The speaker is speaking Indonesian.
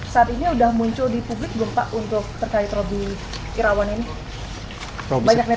saat ini sudah muncul di publik belum pak untuk terkait roby irawan ini